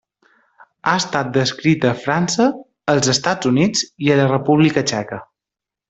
Ha estat descrita a França, als Estats Units i a la República Txeca.